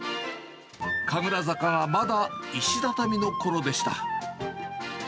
神楽坂がまだ石畳のころでした。